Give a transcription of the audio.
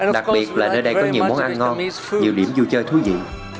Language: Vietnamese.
đặc biệt là nơi đây có nhiều món ăn ngon nhiều điểm vui chơi thú vị